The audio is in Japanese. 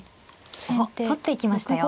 取っていきましたよ。